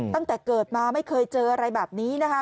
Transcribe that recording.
ตั้งแต่เกิดมาไม่เคยเจออะไรแบบนี้นะคะ